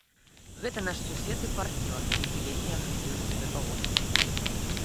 Гэта наш сусед і партнёр, які вельмі агрэсіўна сябе паводзіць.